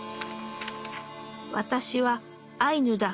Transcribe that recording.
「私はアイヌだ。